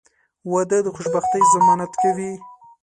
• واده د خوشبختۍ ضمانت کوي.